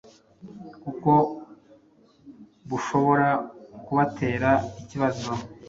kuko bushobora kubatera ikibazo